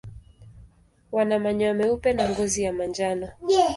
Wana manyoya meupe na ngozi ya manjano.